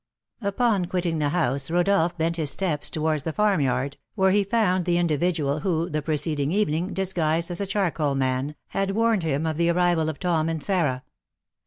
Upon quitting the house, Rodolph bent his steps towards the farmyard, where he found the individual who, the preceding evening, disguised as a charcoal man, had warned him of the arrival of Tom and Sarah.